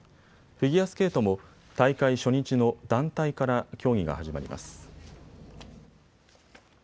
フィギュアスケートも大会初日の団体から競技が始まります。